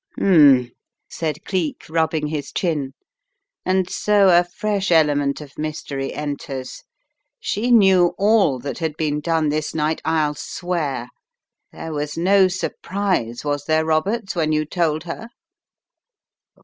"H'm!" said Cleek, rubbing his chin, "and so a fresh element of mystery enters. She knew all that had been done this night, I'll swear. There was no surprise, was there, Roberts, when you told her?"